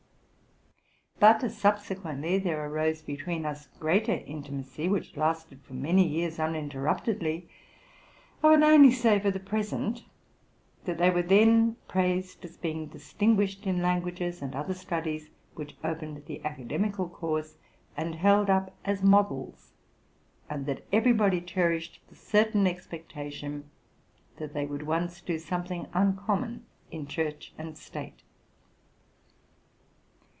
But as, subsequently, there arose between us greater intimacy, which lasted for many years uninter ruptedly, I will only say, for the present, that they were then praised as being distinguished in languages, and other studies which opened the academical course, and held up as models, and that everybody cherished the certain expecta tion that they would once do something uncommon in chureh and state.